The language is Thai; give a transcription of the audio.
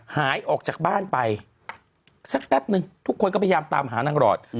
หายออกจากบ้านไปสักแป๊บนึงทุกคนก็พยายามตามหานางหลอด